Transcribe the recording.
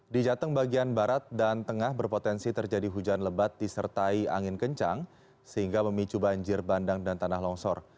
di jateng bagian barat dan tengah berpotensi terjadi hujan lebat disertai angin kencang sehingga memicu banjir bandang dan tanah longsor